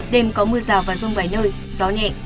đêm có mưa rào và rông vài nơi gió nhẹ